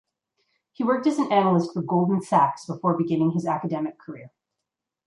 He worked as an analyst for Goldman Sachs before beginning his academic career.